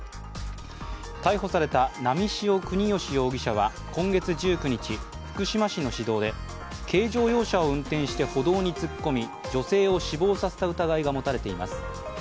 逮捕された波汐國芳容疑者は今月１９日福島市の市道で軽乗用車を運転して歩道に突っ込み、女性を死亡させた疑いが持たれています。